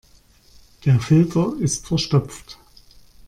Der Filter ist verstopft.